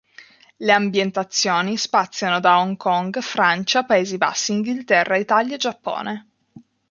Le ambientazioni spaziano da Hong Kong, Francia, Paesi Bassi, Inghilterra, Italia e Giappone.